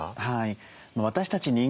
はい私たち